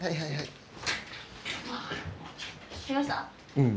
うん。